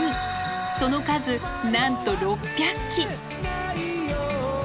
その数なんと６００基！